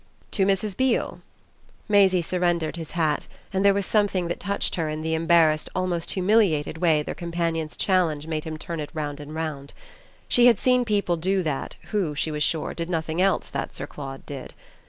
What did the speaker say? "To Mrs. Beale?" Maisie surrendered his hat, and there was something that touched her in the embarrassed, almost humiliated way their companion's challenge made him turn it round and round. She had seen people do that who, she was sure, did nothing else that Sir Claude did.